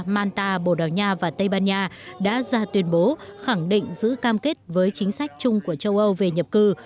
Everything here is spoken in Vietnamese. manta bồ đào nha và tây ban nha đã ra tuyên bố khẳng định giữ cam kết với chính sách chung của châu âu về nhập cư